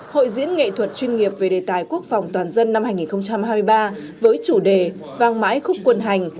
hội diễn nghệ thuật chuyên nghiệp về đề tài quốc phòng toàn dân năm hai nghìn hai mươi ba với chủ đề vang mãi khúc quân hành